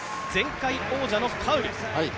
前回王者のカウル。